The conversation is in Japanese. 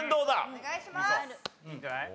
お願いします！